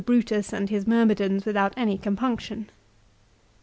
115 Brutus and his myrmidons without any compunction.